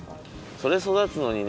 それそだつのにね